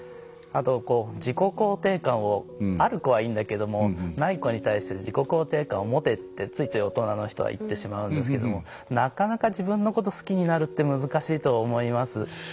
あとこう自己肯定感をある子はいいんだけどもない子に対して自己肯定感を持てってついつい大人の人は言ってしまうんですけどもなかなか自分のこと好きになるって難しいと思います。